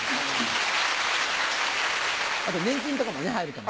あと年金とかもね入るかも。